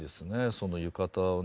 その浴衣をね。